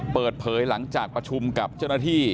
เปิดเผยหลังจากประชุมกับเจ้าหน้าที่